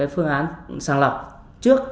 phương án sàng lọc trước